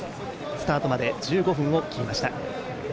スタートまで１５分を切りました。